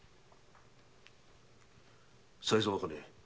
才三茜。